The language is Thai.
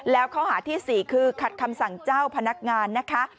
แล้วข้อหาที่๔คือขัดคำสั่งเจ้าพนักงานนะคะ